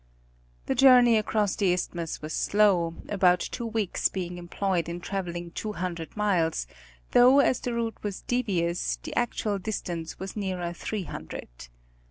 The journey across the Isthmus was slow, about two weeks being employed in traveling two hundred miles, though Telegraphic Determinations of Longitude. 25 as the route was devious, the actual distance was nearer three hundred.